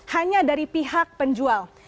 hanya dari pihak penjual